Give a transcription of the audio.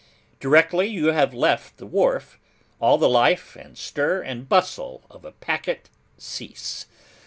Directly you have left the wharf, all the life, and stir, and bustle of a packet cease.